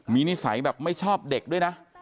มีนิสัยแบบไม่ชอบเด็กด้วยนะ